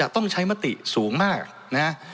ต้องใช้มติสูงมากนะฮะ